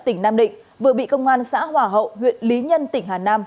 tỉnh nam định vừa bị công an xã hòa hậu huyện lý nhân tỉnh hà nam